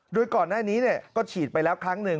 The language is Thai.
โดยก่อนหน้านี้ก็ฉีดไปแล้วครั้งหนึ่ง